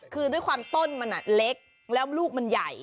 คือด้วยความต้นมันเล็กแล้วลูกมันใหญ่